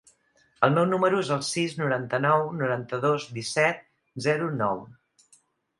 El meu número es el sis, noranta-nou, noranta-dos, disset, zero, nou.